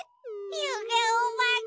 ゆげおばけ。